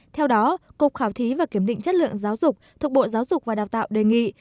theo đó cục khảo thí và kiểm định chất lượng giáo dục thuộc bộ giáo dục và đào tạo đề nghị